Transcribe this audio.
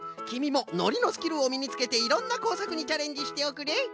きみものりのスキルをみにつけていろんなこうさくにチャレンジしておくれ。